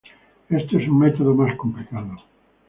Esto es un método más complicado